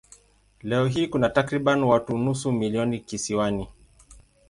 Leo hii kuna takriban watu nusu milioni kisiwani.